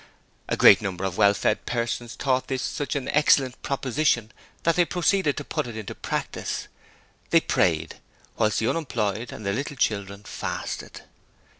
A great number of well fed persons thought this such an excellent proposition that they proceeded to put it into practice. They prayed, whilst the unemployed and the little children fasted.